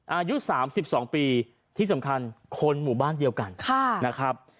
อายุสามสิบสองปีที่สำคัญคนหมู่บ้านเดียวกันค่ะนะครับ